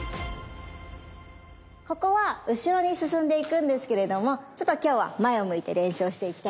ここは後ろに進んでいくんですけれどもちょっと今日は前を向いて練習をしていきたいと思います。